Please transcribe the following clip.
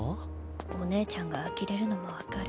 お姉ちゃんがあきれるのもわかる。